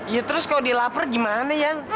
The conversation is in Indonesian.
ya terus kalau dia lapar gimana yang